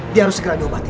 dia harus segera diobati